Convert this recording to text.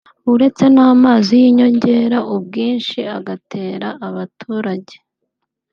uretse n’amazi yiyongera ubwinshi agatera abaturage